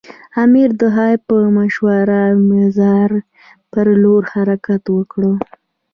امیر د هغه په مشوره د مزار پر لور حرکت وکړ.